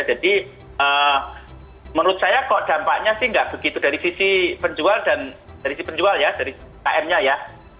jadi menurut saya kok dampaknya sih nggak begitu dari sisi penjual dan dari sisi penjual ya dari km nya ya